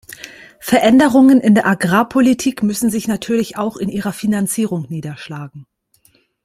Veränderungen in der Agrarpolitik müssen sich natürlich auch in ihrer Finanzierung niederschlagen.